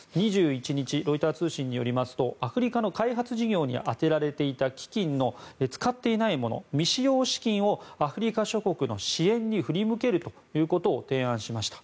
２１日ロイター通信によりますとアフリカの開発事業に充てられていた基金の使っていないもの未使用資金をアフリカ諸国の支援に振り向けるということを提案しました。